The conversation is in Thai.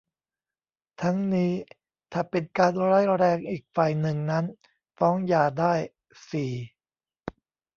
ทั้งนี้ ถ้าเป็นการร้ายแรงอีกฝ่ายหนึ่งนั้นฟ้องหย่าได้ สี่